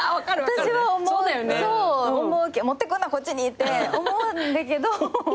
持ってくんなこっちにって思うんだけど。